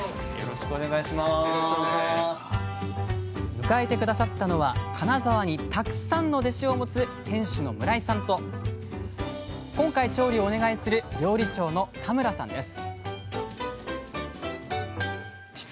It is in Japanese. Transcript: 迎えて下さったのは金沢にたくさんの弟子を持つ店主の村井さんと今回調理をお願いする料理長の田村さんです